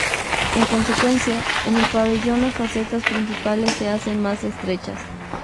En consecuencia, en el pabellón las facetas principales se hacen más estrechas.